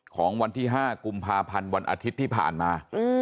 ของวันที่๕กุมภาพันธ์วันอาทิตย์ที่ผ่านมา